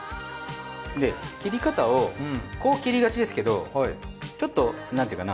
切り方をこう切りがちですけどちょっと何ていうかな。